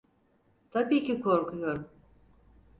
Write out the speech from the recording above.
Tabii ki korkuyorum.